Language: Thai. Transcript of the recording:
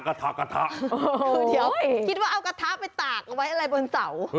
คืออย่าวคิดว่าเอากระทะไปตากไว้อะไรบนเสา